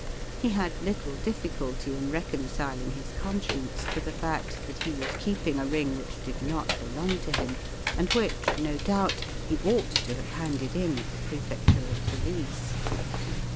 He had little difficulty in reconciling his conscience to the fact that he was keeping a ring which did not belong to him, and which, no doubt, he ought to have handed in at the Prefecture of Police.